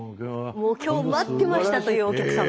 もう今日待ってましたというお客さま。